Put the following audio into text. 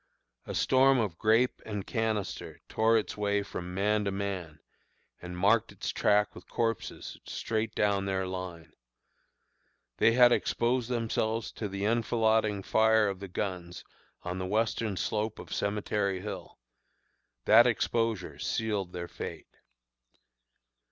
A storm of grape and canister tore its way from man to man, and marked its track with corpses straight down their line! They had exposed themselves to the enfilading fire of the guns on the western slope of Cemetery Hill; that exposure sealed their fate.